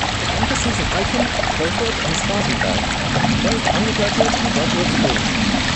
The campuses in Aiken, Beaufort and Spartanburg offer both undergraduate and graduate degrees.